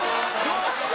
「よっしゃ！」